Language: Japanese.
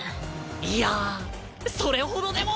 いやそれほどでも。